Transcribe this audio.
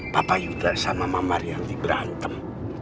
papa yudha sama mama rianti berantem